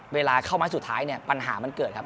เวลาเข้าไม้สุดท้ายเนี่ยปัญหามันเกิดครับ